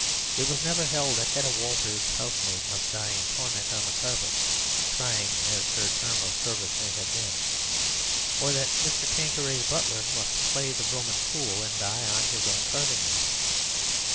It was never held that Hedda Gab ler's housemaid must die in torments on the carpet (trying as her term of service may have been) ; or that Mrs. Tanqueray's butler must play the Roman fool and die on his own carving knife.